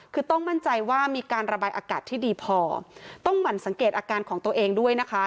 คือต้องมั่นใจว่ามีการระบายอากาศที่ดีพอต้องหมั่นสังเกตอาการของตัวเองด้วยนะคะ